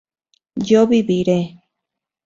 yo viviré